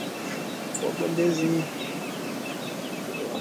wagombezi wa vyama vyote walikuwa isipokuwa wa chama cha uganda federal allaince